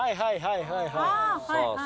はいはい。